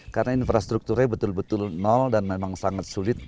karena infrastrukturnya betul betul nol dan memang sangat sulit